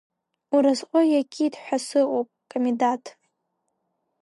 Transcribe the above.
Уразҟы иакит ҳәа сыҟоуп, Камидаҭ.